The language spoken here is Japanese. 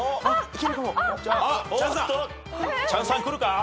あっ！